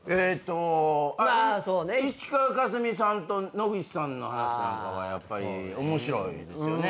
石川佳純さんと野口さんの話なんかはやっぱり面白いですよね。